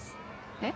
えっ？